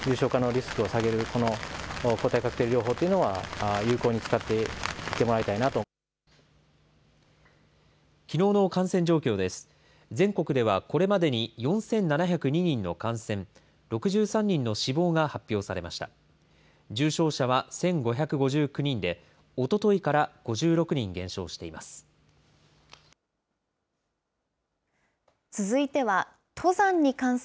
重症者は１５５９人で、おとといから５６人減少しています。